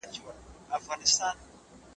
خیرات ورکول د بخل ناروغي له منځه وړي.